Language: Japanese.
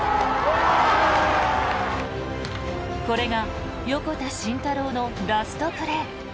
これが横田慎太郎のラストプレー。